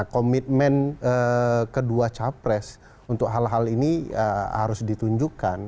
komitmen kedua capres untuk hal hal ini harus ditunjukkan